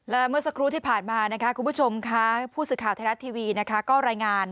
และเมื่อสักครู่ที่ผ่านมานะคะคุณผู้ชมค่ะผู้สื่อข่าวไทยรัฐทีวีนะคะก็รายงาน